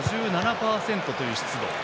５７％という湿度。